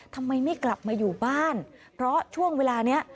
ทำไมไม่กลับมาอยู่บ้านเพราะช่วงเวลานี้